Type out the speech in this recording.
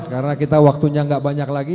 karena kita waktunya gak banyak lagi